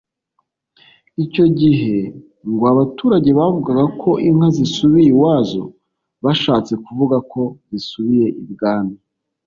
Icyo gihe ngo abaturage bavugaga ko inka zisubiye iwazo bashatse kuvuga ko zisubiye i Bwami